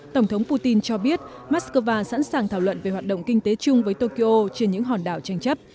tổng thống putin cho biết moscow sẵn sàng thảo luận về hoạt động kinh tế chung với tokyo trên những hòn đảo tranh chấp